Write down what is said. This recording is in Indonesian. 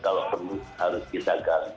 nah ini yang memang kita harus kita ganti